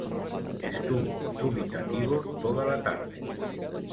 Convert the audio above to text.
Estuvo dubitativo toda la tarde.